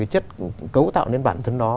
chất cấu tạo đến bản thân nó